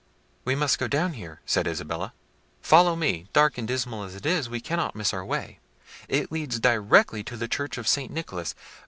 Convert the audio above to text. "We must go down here," said Isabella. "Follow me; dark and dismal as it is, we cannot miss our way; it leads directly to the church of St. Nicholas.